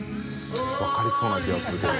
分かりそうな気がするけど。